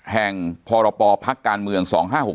แห่งพปพักการเมือง๒๕๖๐